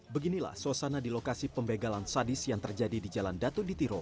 beginilah suasana di lokasi pembegalan sadis yang terjadi di jalan datu ditiro